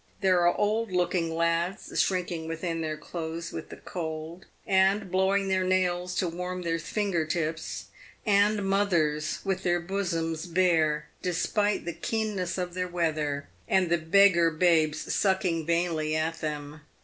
There are old looking lads, shrink ing within their clothes with the cold, and blowing their nails to warm their finger tips; and mothers with their bosoms bare, despite the keenness of the weather, and the beggar babes sucking vainly at them.